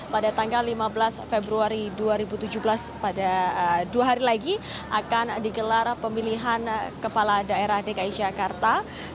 pada tanggal lima belas februari dua ribu tujuh belas pada dua hari lagi akan digelar pemilihan kepala daerah dki jakarta